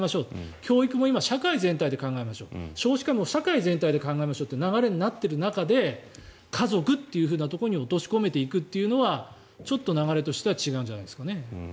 教育も今社会全体で考えましょう少子化も社会全体で考えましょうという流れになっている中で家族というところに落とし込んでいくというのはちょっと流れとしては違うんじゃないですかね。